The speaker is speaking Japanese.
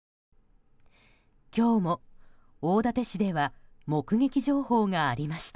今日も大館市では目撃情報がありました。